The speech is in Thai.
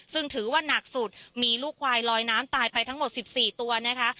ซึ่งถือว่านักสุดมีลูกควายลอยน้ำตายไปทั้งหมด๑๔ตัวนะคะ